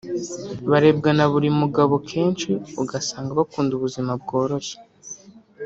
barebwa na buri mugabo kenshi ugasanga bakunda ubuzima bworoshye